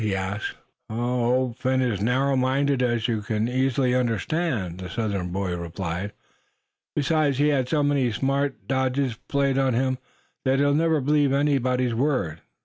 he asked. "Old Phin is narrow minded, as you can easily understand," the Southern boy replied. "Besides, he's had so many smart dodges played on him, that he'll never believe anybody's word.